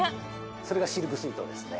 それがシルクスイートですね。